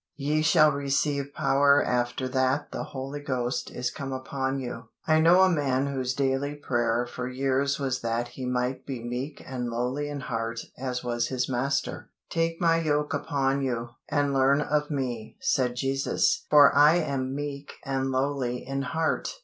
"Ye shall receive power after that the Holy Ghost is come upon you." I know a man whose daily prayer for years was that he might be meek and lowly in heart as was his Master. "Take My yoke upon you, and learn of Me," said Jesus; "for I am meek and lowly in heart."